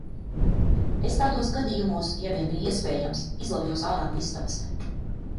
Es tādos gadījumos, ja vien bija iespējams, izlavījos ārā no istabas.